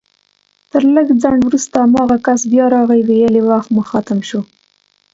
تر لږ ځنډ وروسته هماغه کس بيا راغی ويل يې وخت مو ختم شو